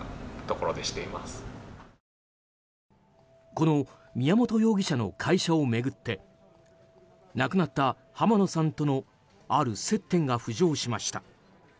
この宮本容疑者の会社を巡って亡くなった浜野さんとのある接点が浮上しました。